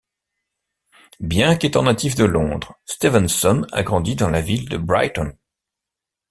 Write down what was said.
Bien qu'étant native de Londres, Stevenson a grandi dans la ville de Brighton.